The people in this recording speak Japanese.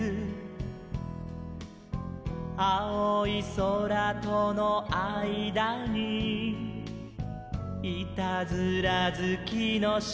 「あおいそらとのあいだにいたずらずきのしろ」